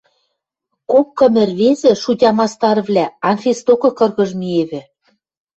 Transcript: Кок-кым ӹрвезӹ, шутя мастарвлӓ, Анфис докы кыргыж миэвӹ.